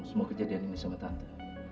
semua kejadian ini sama tante